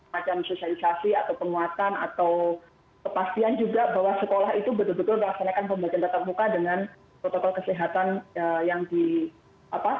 macam sosialisasi atau penguatan atau kepastian juga bahwa sekolah itu betul betul melaksanakan pembelajaran tetap muka dengan protokol kesehatan yang di apa